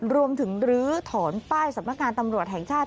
ลื้อถอนป้ายสำนักงานตำรวจแห่งชาติ